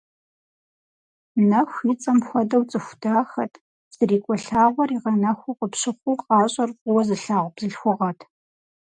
Нэху и цӀэм хуэдэу цӀыху дахэт, зрикӀуэ лъагъуэр игъэнэхуу къыпщыхъуу, гъащӀэр фӀыуэ зылъагъу бзылъхугъэт.